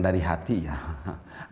dari hati biar berkembang